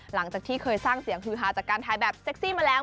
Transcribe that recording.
หลังจากที่เคยสร้างเสียงฮือฮาจากการถ่ายแบบเซ็กซี่มาแล้ว